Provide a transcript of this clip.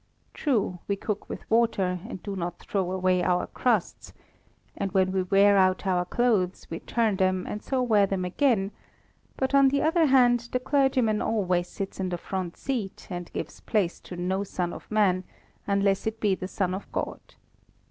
True, we cook with water and do not throw away our crusts, and when we wear out our clothes we turn them, and so wear them again; but, on the other hand, the clergyman always sits in the front seat, and gives place to no son of man, unless it be the Son of God.